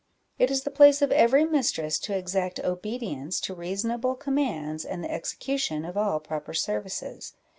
It is the place of every mistress to exact obedience to reasonable commands and the execution of all proper services.